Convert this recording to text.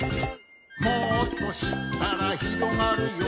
「もっとしったらひろがるよ」